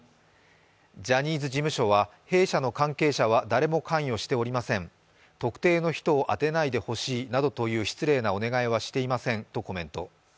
ジャニーズ事務所は弊社の関係者は誰も関与しておりません、特定の人を当てないでほしいなどという失礼なお願いはしておりませんとコメント